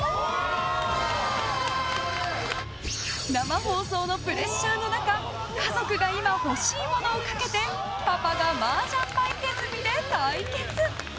生放送のプレッシャーの中家族が今欲しいものをかけてパパがマージャン牌手積みで対決。